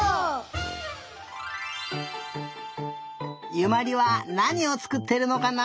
由茉莉はなにをつくってるのかな？